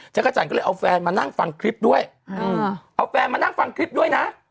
จักรจันทร์ก็เลยเอาแฟนมานั่งฟังคลิปด้วยเอาแฟนมานั่งฟังคลิปด้วยนะ